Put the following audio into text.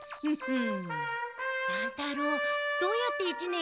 ん？